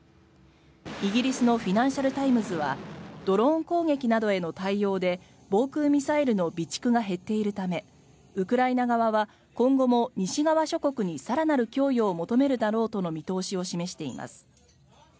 イギリスのフィナンシャル・タイムズはドローン攻撃などへの対応で防空ミサイルの備蓄が減っているためウクライナ側は今後も西側諸国に更なる供与を求めるだろうとの見通しを示しています。